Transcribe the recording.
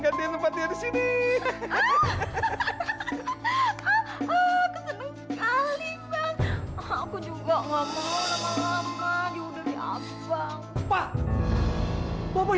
ganti tempatnya di sini aku juga